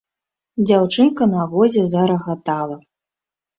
Дзяўчынка на возе зарагатала.